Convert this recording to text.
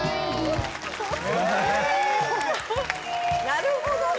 なるほどね。